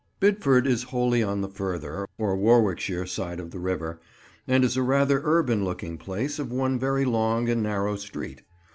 Bidford is wholly on the further, or Warwickshire, side of the river, and is a rather urban looking place of one very long and narrow street.